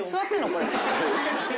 これ。